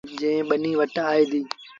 جيٚن ٻنيٚ وٽ آئي ديٚ ۔